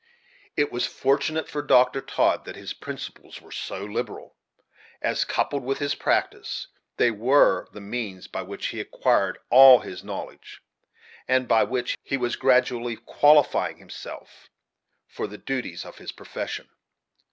It was fortunate for Dr. Todd that his principles were so liberal, as, coupled with his practice, they were the means by which he acquired all his knowledge, and by which he was gradually qualifying himself for the duties of his profession.